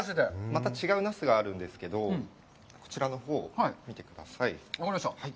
また違うナスがあるんですけど、こちらのほう、見てください。